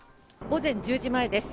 午前１０時前です。